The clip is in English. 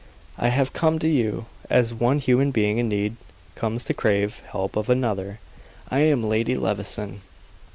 "I have come to you as one human being in need comes to crave help of another. I am Lady Levison."